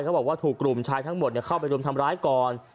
เขาบอกว่าถูกกลุ่มชายทั้งหมดเข้าไปรุมทำร้ายก่อน